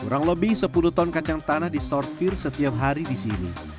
kurang lebih sepuluh ton kacang tanah disortir setiap hari di sini